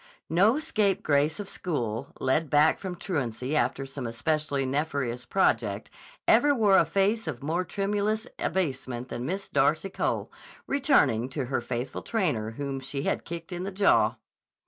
No scapegrace of school, led back from truancy after some especially nefarious project, ever wore a face of more tremulous abasement than Miss Darcy Cole, returning to her faithful trainer whom she had kicked in the jaw.